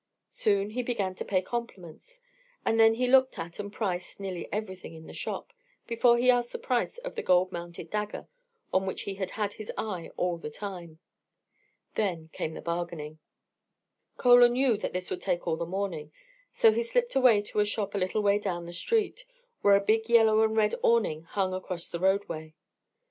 Soon he began to pay compliments; and then he looked at, and priced, nearly everything in the shop before he asked the price of the gold mounted dagger on which he had had his eye all the time. Then came the bargaining. Chola knew that this would take all the morning, so he slipped away to a shop a little way down the street, where a big yellow and red awning hung across the roadway.